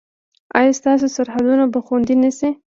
ایا ستاسو سرحدونه به خوندي نه شي؟